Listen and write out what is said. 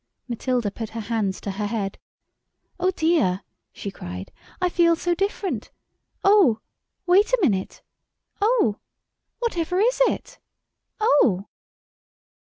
Matilda put her hands to her head. "Oh, dear!" she cried, "I feel so different. Oh! wait a minute. Oh! whatever is it? Oh!"